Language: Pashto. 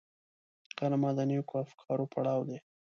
غرمه د نېکو افکارو پړاو دی